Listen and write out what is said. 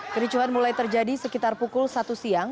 kericuhan mulai terjadi sekitar pukul satu siang